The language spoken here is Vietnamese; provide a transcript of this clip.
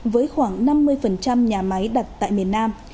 với khoảng năm mươi nhà máy đặt tại miền nam